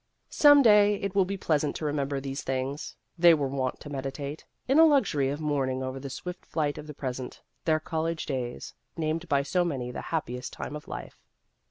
Some day it will be pleasant to remember these things, they were wont to meditate, in a luxury of mourning over the swift flight of the present, their college days, named by so many the happiest time of life.